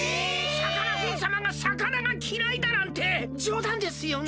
さかなクンさまがさかながきらいだなんてじょうだんですよね？